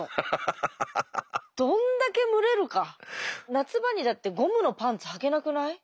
夏場にだってゴムのパンツはけなくない？